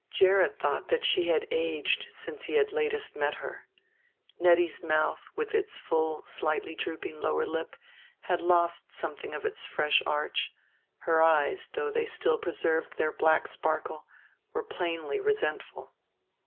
Gerrit thought that she had aged since he had latest met her: Nettie's mouth, with its full, slightly drooping lower lip, had lost something of its fresh arch; her eyes, though they still preserved their black sparkle, were plainly resentful.